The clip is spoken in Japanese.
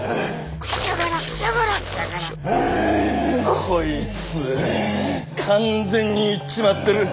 こいつ完全にイっちまってる。